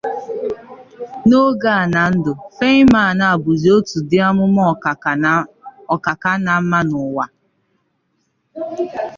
N'ogè â nà ndụ̀, Feynman à bụzie otù diamụ̀mà ọ̀kàka ha mà n'ụ̀wà.